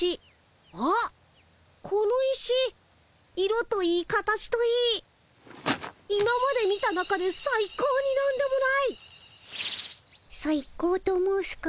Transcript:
この石色といい形といい今まで見た中でさい高になんでもない！さい高と申すか？